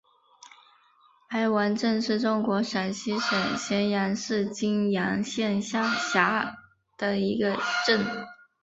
白王镇是中国陕西省咸阳市泾阳县下辖的一个镇。